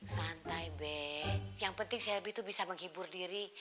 santai be yang penting sylvia tuh bisa menghibur diri